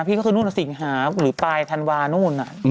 นู่นน่ะสิงหาหรือปลายทานวาลนู่นน่ะ